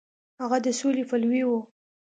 هغه د سولې پلوی و.